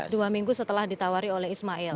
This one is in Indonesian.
dua minggu setelah ditawari oleh ismail